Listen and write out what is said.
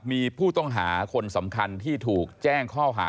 มีผู้ต้องหาคนสำคัญที่ถูกแจ้งข้อหา